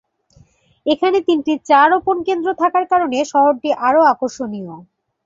এখানে তিনটি চা রোপণ কেন্দ্র থাকার কারণে শহরটি আরও আকর্ষণীয়।